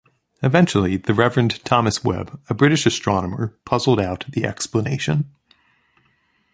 Eventually the Reverend Thomas Webb, a British astronomer, puzzled out the explanation.